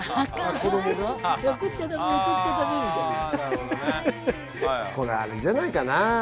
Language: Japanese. これあれじゃないかな。